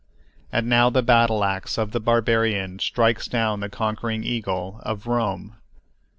And now the battle ax of the barbarian strikes down the conquering eagle of Rome.